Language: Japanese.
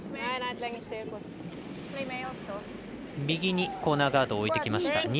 右にコーナーガードを置いてきました。